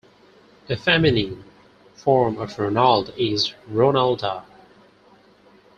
A feminine form of "Ronald" is "Ronalda".